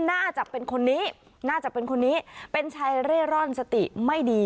น่าจะเป็นคนนี้น่าจะเป็นคนนี้เป็นชายเร่ร่อนสติไม่ดี